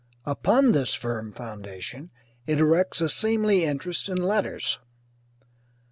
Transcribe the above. Upon this firm foundation it erects a seemly interest in letters.